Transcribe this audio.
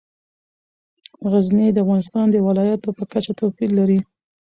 غزني د افغانستان د ولایاتو په کچه توپیر لري.